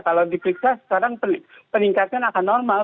kalau diperiksa sekarang peningkatan akan normal